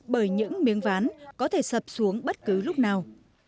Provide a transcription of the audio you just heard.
bởi những miếng ván có thể sập xuống bất cứ lúc nào